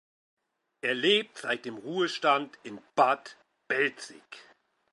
Er lebt seit dem Ruhestand in Bad Belzig.